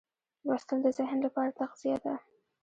لوستل د ذهن لپاره تغذیه ده.